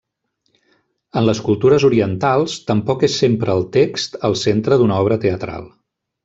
En les cultures orientals tampoc és sempre el text el centre d'una obra teatral.